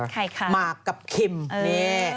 ใครคะมาร์คกับคิมนี่